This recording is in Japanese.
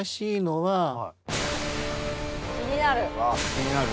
気になる。